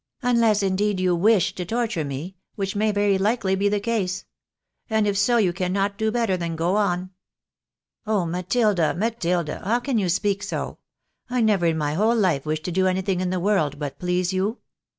" Unless, indeed, you wish to torture me, which may very likely be the case ; and if so, you cannot do better than go on." " Oh ! Matilda ! Matilda ! how can you speak so ? I never in my whole Ufe wished to do anything in the world but please you.